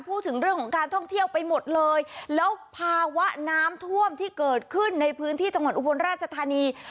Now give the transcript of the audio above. พูดถึงเรื่องของการท่องเที่ยวไปหมดเลยแล้วภาวะน้ำท่วมที่เกิดขึ้นในพื้นที่จังหวัดอุบลราชธานี